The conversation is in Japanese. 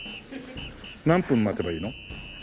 何分待てばいいの？